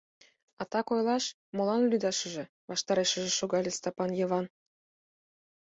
— А, так ойлаш, молан лӱдашыже, — ваштарешыже шогале Стапан Йыван.